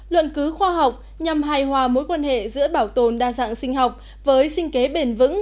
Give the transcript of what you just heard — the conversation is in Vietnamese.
luận cứu khoa học nhằm hài hòa mối quan hệ giữa bảo tồn đa dạng sinh học với sinh kế bền vững